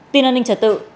tin an ninh trả tự